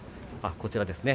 こちらですね。